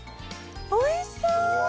おいしそう！